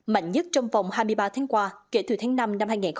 mạnh nhất trong vòng hai mươi ba tháng qua kể từ tháng năm năm hai nghìn hai mươi ba